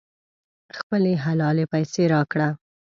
خپلې حلالې پیسې راکړه.